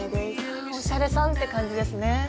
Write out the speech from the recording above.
あおしゃれさんって感じですね。